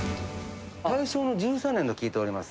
大正の１３年と聞いております。